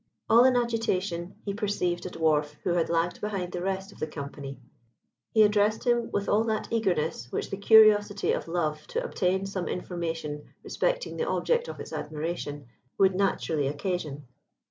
All in agitation, he perceived a dwarf who had lagged behind the rest of the company. He addressed him with all that eagerness which the curiosity of love to obtain some information respecting the object of its admiration would naturally occasion.